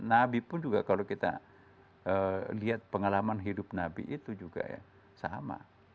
nabi pun juga kalau kita lihat pengalaman hidup nabi itu juga ya sama